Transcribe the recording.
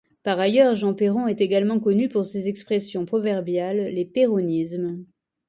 Par ailleurs, Jean Perron est également connu pour ses expressions proverbiales, les perronismes.